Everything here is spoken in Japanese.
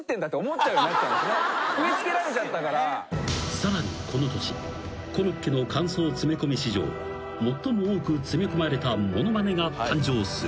［さらにこの年コロッケの間奏詰め込み史上最も多く詰め込まれたものまねが誕生する］